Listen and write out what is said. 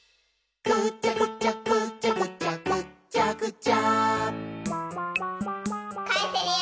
「ぐちゃぐちゃぐちゃぐちゃぐっちゃぐちゃ」